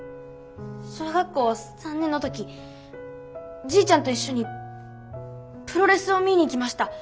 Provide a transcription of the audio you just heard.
小学校３年の時じいちゃんと一緒にプロレスを見に行きました。